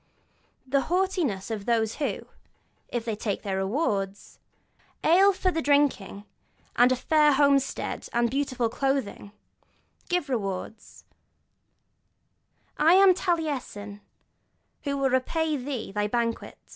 They have the haughtiness of those who, if they take rewards, 'ale for the drinking, and a fair homestead, and beautiful clothing,' give rewards: 'I am Taliesin, who will repay thee thy banquet.'